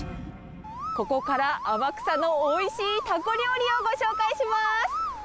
ここから天草のおいしいタコ料理をご紹介します。